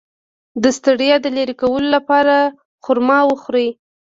د ستړیا د لرې کولو لپاره خرما وخورئ